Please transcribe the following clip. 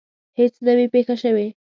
هیڅ نه وي پېښه شوې.